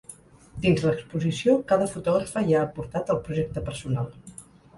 Dins l’exposició, cada fotògrafa hi ha aportat el projecte personal.